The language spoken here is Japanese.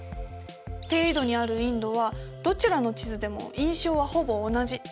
低緯度にあるインドはどちらの地図でも印象はほぼ同じ。